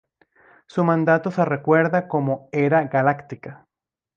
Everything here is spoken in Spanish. Su mandato se recuerda como Era Galáctica.